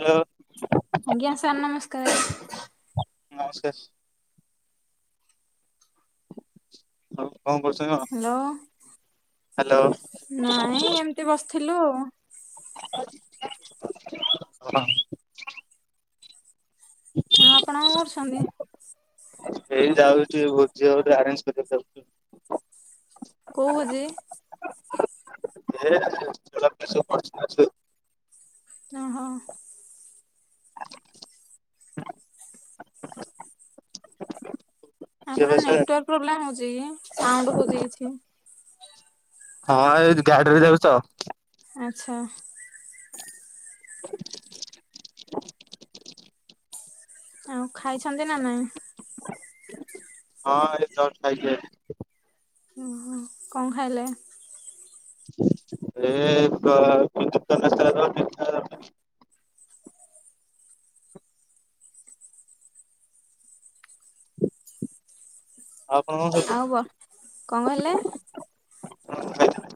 Hello. ଆଜ୍ଞା sir ନମସ୍କାର। ନମସ୍କାର ସ। ଆଉ କଣ କରୁଛ କଣ? ହ୍ୟାଲୋ ହ୍ୟାଲୋ ନାଇଁ ଏମିତି ବସିଥିଲୁ ଆଉ। [unintelligible] [unintelligible] ହଁ ଆପଣ କଣ କରୁଛନ୍ତି? ଏଇ ଯାଉଛିଟିକେ ଭୋଜି ହବତ ଆରେଞ୍ଜ କରିବାକୁ ଯାଉଛି ଆଉ। କୋଉ ଭୋଜି? [unintelligible] ନାଁ, ହଁ। ଆପଣ ନେଟୱାର୍କ ପ୍ରୋବ୍ଲେମ୍ ହଉଛି କି? ସାଉଣ୍ଡ ହଉଛି କିଛି? ହଁ ଏଇ ଗାଡିରେ ଯାଉଚି ତ! ଆଛା। ଆଉ ଖାଇଛନ୍ତି ନା ନାଇଁ? ହଁ, ଏଇ ଜଷ୍ଟ ଖାଇକି ଆଇଲି। ଓହୋ! କଣ ଖାଇଲେ? ହ [unintelligible] ଏ [inaudible] ଆଉ ଆପଣ କଣ ଆଉ, ବର୍ କଣ କହିଲେ? ଖାଇଥିଲେ?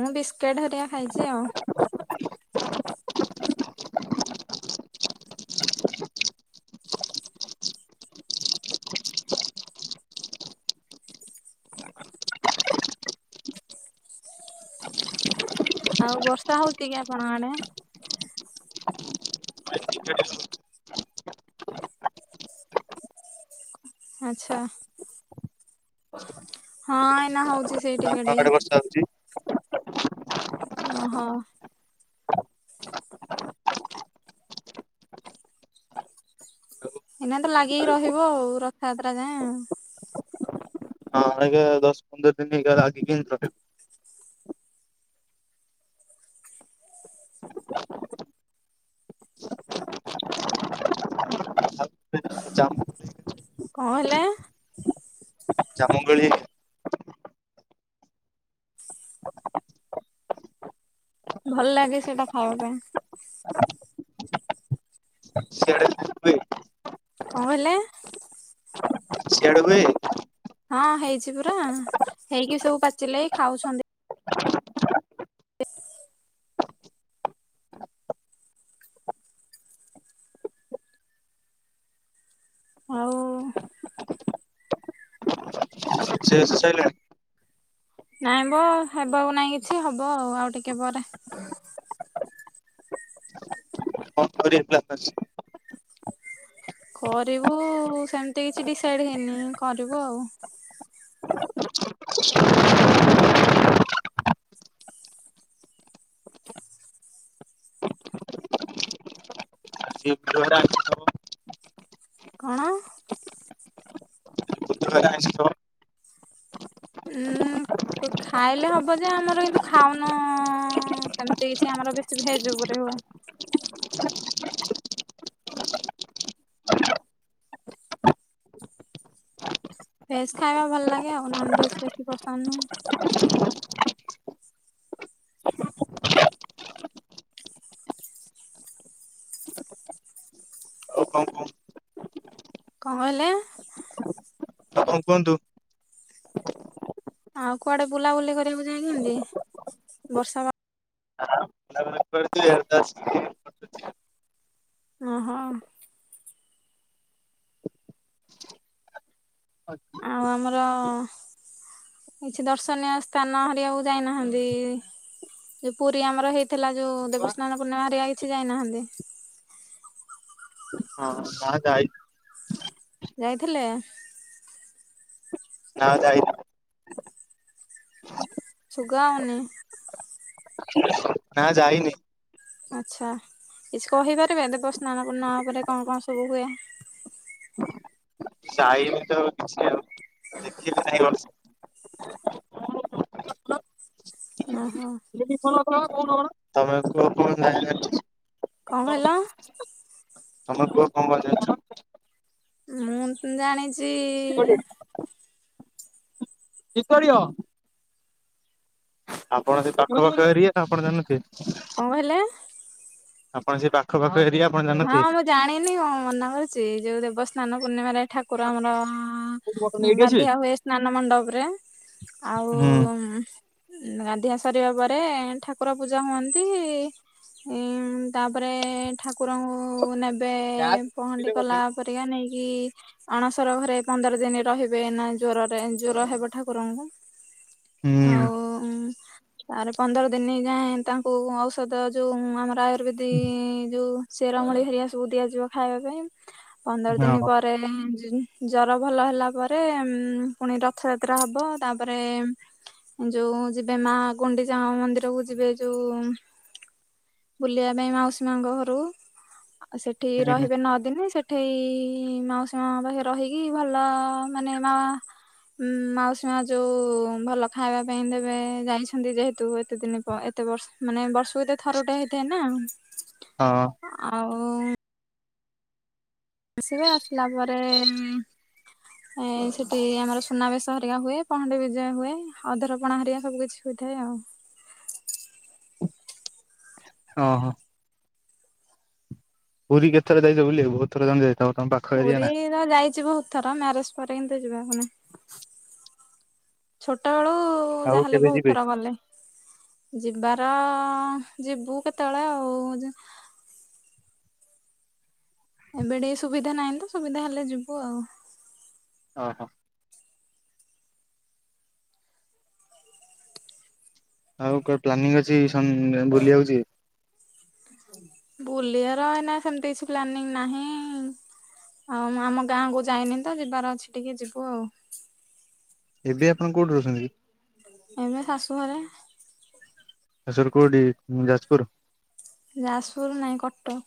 ମୁଁ ବିସ୍କେଟ୍ ହେରିକା ଖାଇଁଛି ଆଉ। ଆଉ ବର୍ଷା ହଉଛି କି ଆପଣଁ ଆଡେ? ଏ ଟିକେ ଟିକେ ହଉଚି। ଆଛା, ହଁ ଏଇନା ହଉଛି ସେଇଟିକେ ଟିକେ। ସାହୁଯି ଅ, ହ। ଏଇନା ତ ଲାଗିକି ରହିବ ଆଉ, ରଥଯାତ୍ରା ଯାଏଁ ଆଉ। ହଁ, ଅଇକା ଦଶ ପନ୍ଦର ଦିନି ଲାଗିକିନି ରହିବ। [inaudible] କଣ ହେଲା? ଜାମୁକୋଳି ଭଲ ଲାଗେ ସେଟା ଖାଇବା ପାଇଁ। ସିଆଡେ [inaudible] କଣ କହିଲେ? ସିଆଡେ ହୁଏ? ହଁ, ହେଇଛି ପୁରାଁ ହେଇକି ସବୁ ପାଚିଲାଇ ଖାଉଛନ୍ତି। ଇସ୍ ଆଉ। ରୋଷେଇ ବାସ ସଇଲାଣି। ନାଇଁ ମ ହେବାକୁ ନାଇଁ କିଛି, ହବ ଆଉ, ଆଉ ଟିକେ ପରେ। କଣ କରିବା ପ୍ଲାନ ଅଛି? କରିବୁ-ଉ ସେମିତି କିଛି ଡିସାଇଡ୍ ହେଇନି କରିବୁ ଆଉ। [inaudible] କଣ? ଘରେ ଆଇଁଷ ଥିବ? ଉଁ -ଉଁ -ଉଁ। ଖାଇଲେ ହବ ଯେ, ଆମର କିନ୍ତୁ ଖାଉନୁ-ଉଁ, ସେମିତି କିଛି ଆମର ବେଶୀ ଭେଜ୍ ଉପରେ ହୁଏ। ହ [unintelligible] ଭେଜ୍ ଖାଇବା ଭଲ ଲାଗେ ଆଉ। ନନ ଭେଜ୍ ବେଶୀ ପସନ୍ଦ ନୁହଁ। [unintelligible] ଆଉ କଣ କୋ କଣ ହେଲା? କଣ କୁହନ୍ତୁ? ଆଉ କୁଆଡେ ବୁଲାବୁଲି କରିବାକୁ ଯାଇଛନ୍ତି? ବର୍ଷା ପା ପିଲା ମାନେ କୁଆଡେ ଯିବେ? [unintelligible] ଓହୋ। ଆଉ ଆମର କିଛି ଦର୍ଶନୀୟ ସ୍ଥାନ ହେରିବାକୁ ଯାଇନାହାନ୍ତି ଇ? ଯୋଉ ପୁରୀ ଆମର ହେଇଥିଲା, ଯୋଉ ଦେବସ୍ନାନ ପୂର୍ଣ୍ଣିମା ହେରିକା କିଛି ଯାଇନାହାନ୍ତି? ହଁ, ନାଁ ଯାଇ ଯାଇଥିଲେ ଏ? ନାଁ ଯାଇନି। ସୁଗାଉନି। [unintelligible] ନାଁ, ଯାଇନି। ଆଛା, କିଛି କହିପାରିବେ, ଦେବ ସ୍ନାନ ପୂର୍ଣ୍ଣିମା ଉପରେ କଣ କଣ ସବୁ ହୁଏ? ଯାଇନି ତ କିଛି ଆଉ, ଦେଖିନିନା ଏ ବର୍ଷ। ଓହୋ। ନେବି କଣ କଣ, କହୁନ କଣ? କଣ ହେଲା? ତମେ କୁହ, କଣ କଣ ଜାଣିଛ? ମୁଁ ଜାଣିଚି ଇ [unintelligible] ଆପଣ ସେ ପାଖ ପାଖ ଏରିଆ, ଆପଣ ଜାଣି ନଥିବେ? କଣ ହେଲେ? ଆପଣ ସେ ପାଖ ପାଖ ଏରିଆ ଆପଣ ହଁ, ଜାଣିନଥିବେ? ମୁଁ ଜାଣିନି, ମୁଁ ମନା କରୁଚି, ଯୋଉ ଦେବସ୍ନାନ ପୂର୍ଣ୍ଣିମାରେ ଠାକୁର ଆମର ହୁଁ। ଉଁ, ଗାଧିଆ ହୁଏ ସ୍ନାନ ମଣ୍ଡପରେ, ଆଉ ଉ ଗାଧିଆ ସରିବା ପରେ, ଠାକୁର ପୂଜା ହୁଅନ୍ତି ଇ। ଉଁ ଉଁ, ତାପରେ ଠାକ୍ ଠାକୁର ଙ୍କୁ ନେବେ, ପହଣ୍ଡି କଲା ପରିକା ନେଇକି ଅଣସର ଘରେ ପନ୍ଦର ଦିନି ରହିବେ, ନା ଜ୍ୱରରେ, ଜ୍ୱର ହେବ ଠାକୁରଙ୍କୁ। ଆଉ ଉ ତାରେ ପନ୍ଦର ଦିନ ଯାଏ, ତାଙ୍କୁ ଔଷଧ ଯୋଉ, ଆମର ଆୟୁର୍ବେଦିକ ଯୋଉ ଚେରମୁଳି ହେରିଆ ସବୁ ଦିଆଯିବ ଖାଇବା ପାଇଁ। ହୁଁ ପନ୍ଦର ଦିନ ହଁ ପରେ, ଜ ଜର ଭଲ ହେଲା ପରେ, ଉଁ ପୁଣି ରଥଯାତ୍ରା ହବ, ତାପରେ ଯୋଉ ଯିବେ ମା ଗୁଣ୍ଡିଚା ଙ୍କ ମନ୍ଦିର କୁ, ଯିବେ ଯୋଉ ବୁଲିବା ପାଇଁ, ମାଉସୀ ମାଆଙ୍କ ଘରକୁ। [unintelligible] ଆଉ ସେଠି ରହିବେ ନଅ ଦିନ, ସେଠେଇ ମାଉସୀ ମାଆଙ୍କ ପାଖେ ରହିକି, ଭଲ ଅ ମାନେ ମାଆ ଉଁ, ମାଉସୀ ମା ଯୋଉ, ଭଲ ଖାଇବା ପାଇଁ ଦେବେ, ଯାଇଛନ୍ତି ଯେହେତୁ ଏତେ ଦିନ ପ ଏ ଏତେ ବର୍ଷ, ମାନେ ବର୍ଷକୁ ଏତେ ଥରଟେ ହେଇଥାନ୍ତା ଆ। ଆଉ ଆସିବେ, ଆସିଲା ପରେ, ଉଁ ଉଁ ଏ ସେଠି ଆମର ସୁନାବେଶ ହେରିକା ହୁଏ, ପହଣ୍ଡି ବିଜେ ହୁଏ, ଅଧରପଣା ହେରିଆ ସବୁ କିିଛି ହୋଇଥାଏ ଆଉ। ହଁ ହଁ। ପୁରୀ କେତଥର ଯାଇଚ ବୁଲି ବାକୁ? ବହୁତ ଥର ଖଣ୍ଡେ ଯାଇଥିବ ତମେ ପା ପୁରୀ ତ ଯାଇଚି ବହୁତ ଥର। ମ୍ୟାରେଜ ପରେ ଏମିତି ଯିବାକୁ ନାହିଁ। ଛୋଟ ବେଳୁ ଆଉ ଯାହାହେଲେ କେବେ ବହୁତ ଯିବେ? ଥର ଗଲେ। ଯିବାର ଯିବୁ କେତେବେଳେ ଆଉ। ଏବେ ଟିକେ ସୁବିଧା ନାହିଁ ତ ସୁବିଧା ହେଲେ ଯିବୁ ଆଉ। ଓ ହୋ। ଆଉ କଣ ପ୍ଲାନିଂ ଅଛି ସନ୍ ବୁଲିବାକୁ ଯିବେ? ବୁଲିବାର ନା ସେମତି କିଛି ପ୍ଲାନିଂ ନାହିଁ। ହଁ ମୁଁ ଆମ ଗାଁକୁୁ ଯାଇନି ତ ଯିବାର ଅଛି ଟିକେ ଯିବୁ ଆଉ। ଏବେ ଆପଣ କୋଉଠି ରହୁଚନ୍ତି? ଏମେ ଶାଶୁ ଘରେ। ଶାଶୁଘର କୋଉଠି ଯାଜପୁର? ଯାଜପୁର ନାଇଁ କଟକ।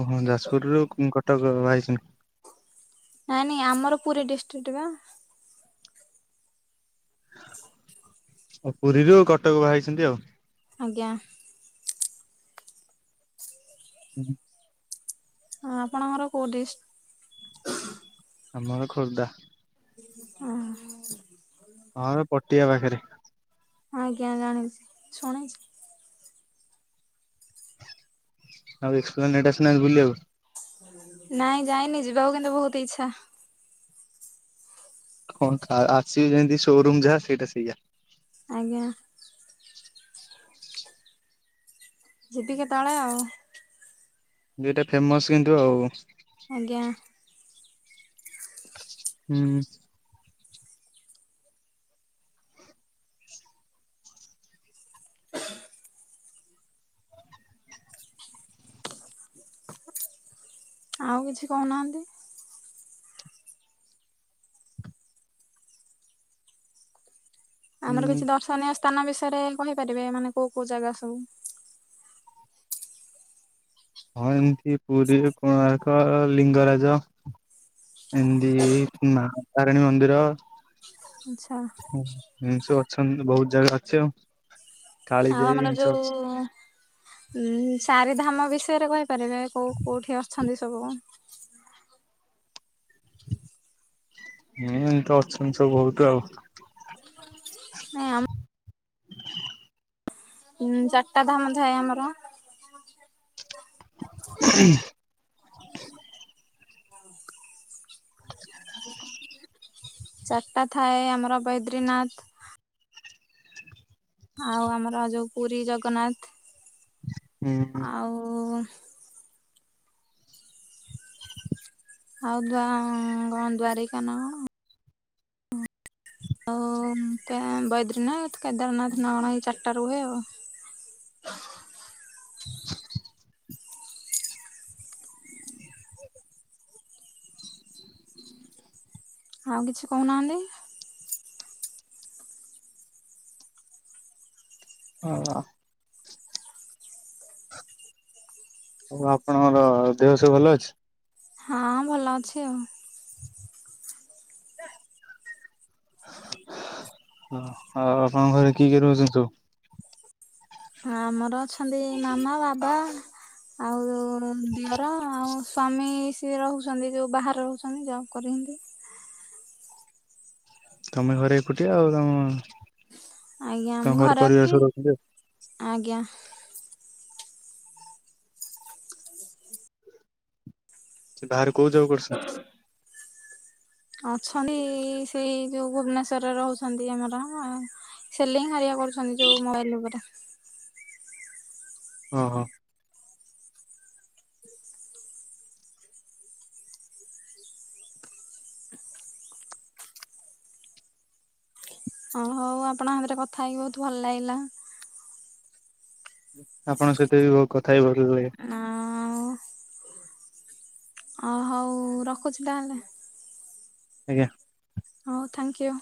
ଓହୋ ଯାଜପୁରରୁୁ କ କଟକ ବାହାହେଇଚନ୍ତି। ନାଇଁ ନାଇଁ ଆମର ପୁରୀ ଡିଷ୍ଟ୍ରିକ୍ଟ ବା। ଓହୋ ପୁରୀରୁ କଟକ ବାହାହେଇଚନ୍ତି ଆଉ। ଆଜ୍ଞା। ଉଁ ହୁଁ। ହଁ ଆପଣଙ୍କର କୋଉ ଡ଼ିଷ୍ଟ? ଆମ ଘର ଖୋର୍ଦ୍ଧା। ଓ ହୋ। ହଁ ଆମେ ପଟିିଆ ପାଖରେ। ଆଜ୍ଞା ଜାଣିଛି ଶୁଣା ଅଛି। ଆଉ ଏକ୍ସପ୍ଲାନେଟ ଆସିନାହାନ୍ତି ବୁଲିବାକୁ? ନାଇଁ ଯାଇନି ଯିବାକୁ କିନ୍ତୁ ବହୁତ ଇଛା। କଣ ଖା ଆସିବି ଯେମିତି ସୋରୁମ ଯାହା ସେଇଟା ସେଇଆ। ଆଜ୍ଞା। ଯିବି କେତେବେଳେ ଆଉ। ଦି ଟା ଫେମସ କିନ୍ତୁ ଆଉ। ଆଜ୍ଞା। ହୁଁ। ଆଉ କିଛି କହୁନାହାନ୍ତି? ଆମର ହୁଁ କିଛି ଦର୍ଶନୀୟ ସ୍ଥାନ ବିଷୟରେ କହିପାରିବେ ମାନେ କୋଉ କୋଉ ଜାଗା ସବୁ? ହଁ ଏନ୍ତି ପୁରୀ କୋଣାର୍କ ଲିଙ୍ଗରାଜ। ଏମିତି ମା ତାରାଣୀ ମନ୍ଦିର। ଆଚଛା। ହ ସବୁ ଅଛନ୍ତି ବହୁତ ଜାଗା ଅଛି ଆଉ। ଆଉ କାଳିଜାଇ ଆମର ଏମିତି ସବୁ ଯୋଉ ଅଛି। ଉ ଚାରିଧାମ ବିଷୟରେ କହିପାରିବେ କୋଉ କୋଉଠି ଅଛନ୍ତି ସବୁ। ହୁଁ ଏମିତି ତ ଅଛନ୍ତି ସବୁ ବହୁତ ଆଉ। ନାଁଇ ଆମ ଉଁ ଚାରିଟା ଧାମ ଥାଏ ଆମର। ହ [inaudible] ଚାରିଟା ଥାଏ ଆମର ବୈଦ୍ରୀନାଥ। ଆଉ ଆମର ଯୋଉ ପୁରୀ ଜଗନ୍ନାଥ ହୁଁ ଆଉ ଆଉ ନ୍ଦ୍ୱଆଁ ଦ୍ୱାରିକାନା କଣ ହଉ ପେ ବୈଦ୍ରୀନାଥ କେଦାରନାଥ ନା କଣ ଏଇ ଚାରିଟା ରୁହେ ଆଉ। [inaudible] [inaudible] ଆଉ କିଛି କହୁନାହାନ୍ତି ହଁଆ ଆଉ ଆପଣଙ୍କର ଦେହ ସବୁ ଭଲ ଅଛି? ହଁ ଭଲ ଅଛି ଆଉ। ଆଉ ଆପଣଙ୍କ ଘରେ କି କିଏ ରହୁଛନ୍ତି ସବୁ? ଆମର ଅଛନ୍ତି ମାମା ବାବା ଆଉ ଯୋଉ ଦିଅର ଆଉ ସ୍ଵାମୀ ସିଏ ରହୁଛନ୍ତି ଯୋଉ ବାହାରେ ରହୁଛନ୍ତି ଜବ୍ କରିିଚନ୍ତି। ତମେ ଘରେ ଏକୁଟିଆ ଆଉ ତମ ଆଜ୍ଞା ତମ ମୁଁ ଘର ଘରେ ପରିବାର ଅଛି। ସବୁ ରହୁଥିବେ ଆଉ। ଆଜ୍ଞା। ସେ ବାହାରେ କୋଉ ଯବ୍ କରୁଛନ୍ତି। ଅଛନ୍ତି ସେଇ ଯୋଉ ଭୁବନେସ୍ୱରରେ ରହୁଛନ୍ତି ଆମର। ସେଲିଂ ହାରିକା କରୁଛନ୍ତି ଯୋଉ ମୋବାଇଲ ଉପରେ। ଓ ହୋ। ଅ ହଉ ଆପଣଙ୍କ ଶାଥିରେ କଥା ହେଇକି ବହୁତ ଭଲ ଲାଗିଲା। ଆପଣଙ୍କ ସହିତ ବି ବହୁତ କଥା ହେଇ ଭଲ ଲାଗେ। ଆଉ ଅ ହଉ ରଖୁଛି ତାହେନେ। ଆଜ୍ଞା। ହଉ ଥ୍ୟାଙ୍କ ୟୁ।